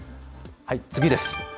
次です。